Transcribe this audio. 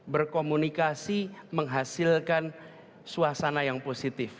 berkomunikasi menghasilkan suasana yang positif